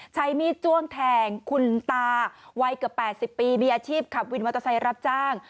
ใช้มีดจ้วงแทงคุณตาวัยเกือบ๘๐ปีมีอาชีพขับวินมอเตอร์ไซค์รับจ้าง